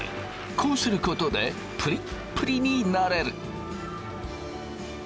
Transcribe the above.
こうすることでプリップリになれる。